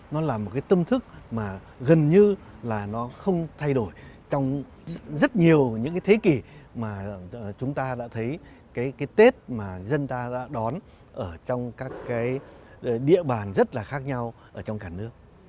nó là một cái tâm thức mà gần như là nó không thay đổi trong rất nhiều những cái thế kỷ mà chúng ta đã thấy cái tết mà dân ta đã đón ở trong các cái địa bàn rất là khác nhau ở trong cả nước